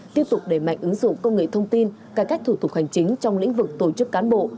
tiếp tục đẩy mạnh ứng dụng công nghệ thông tin cải cách thủ tục hành chính trong lĩnh vực tổ chức cán bộ